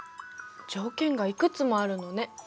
条件がいくつもあるのね。